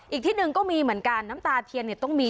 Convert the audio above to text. อีกที่หนึ่งก็มีเหมือนกันน้ำตาเทียนเนี่ยต้องมี